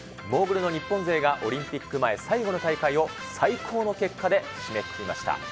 モーグルの日本勢がオリンピック前、最後の大会を最高の結果で締めくくりました。